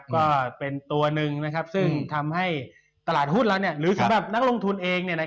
ก็เป็นตัวหนึ่งซึ่งทำให้ตลาดหุ้นเราหรือสำหรับนักลงทุนเอง